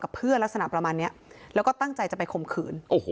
เพื่อนลักษณะประมาณเนี้ยแล้วก็ตั้งใจจะไปข่มขืนโอ้โห